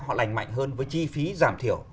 họ lành mạnh hơn với chi phí giảm thiểu